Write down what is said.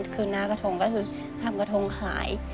คือหน้ากระทงก็คือทำกระทงขาย